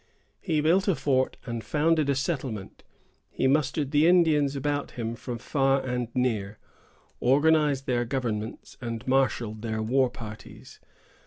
He built a fort and founded a settlement; he mustered the Indians about him from far and near, organized their governments, and marshalled their war parties.